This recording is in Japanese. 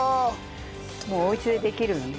もうおうちでできるよね。